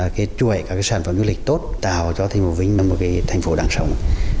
cái chuẩn hệ các cái sản phẩm du lịch tốt tạo cho thành phố vinh là một cái thành phố đẳng sống